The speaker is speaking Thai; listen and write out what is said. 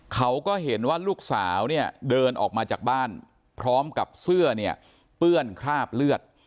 เขาก็เห็นว่าลูกสาวเนี่ยเดินออกมาจากบ้านพร้อมกับเสื้อเนี่ยเปื้อนคราบเลือด